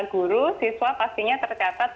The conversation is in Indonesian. guru siswa pastinya tercatat